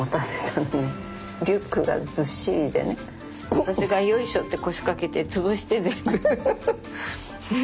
私がよいしょって腰掛けて潰して全部。